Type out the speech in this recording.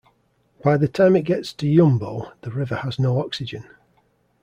By the time it gets to Yumbo the river has no oxygen.